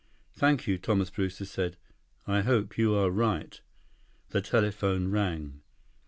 "Thank you," Thomas Brewster said. "I hope you are right." The telephone rang.